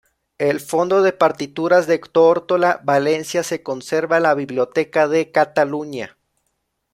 El fondo de partituras de Tórtola Valencia se conserva en la Biblioteca de Cataluña.